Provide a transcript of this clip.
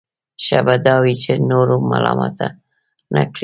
ښه به دا وي چې نور ملامته نه کړي.